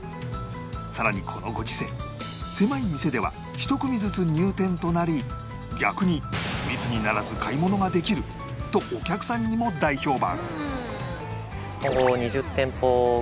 さらにこのご時世狭い店では１組ずつ入店となり逆に密にならず買い物ができるとお客さんにも大評判